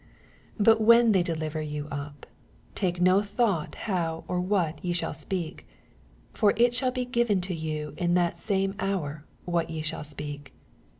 19 But when they deliver you up. take no thought how or what ye shall speak : for it shall be given you in that same hour what ye shall speak.